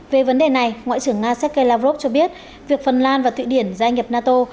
về vấn đề này ngoại trưởng nga sergei lavrov cho biết việc phần lan và thụy điển gia nhập nato